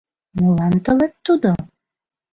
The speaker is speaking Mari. — Молан тылат тудо?